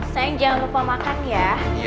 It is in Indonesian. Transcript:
sayang jangan lupa makan ya